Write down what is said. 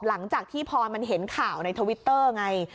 หลังจากที่พรมันเห็นข่าวในทวิตเตอร์ไง